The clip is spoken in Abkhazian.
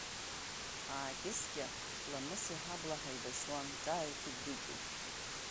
Аакьыскьа Ламыс иҳабла ҳаибашьуан, ҿааиҭит Бики.